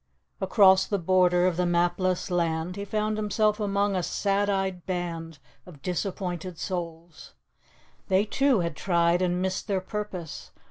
Across the border of the mapless land He found himself among a sad eyed band Of disappointed souls; they, too, had tried And missed their purpose.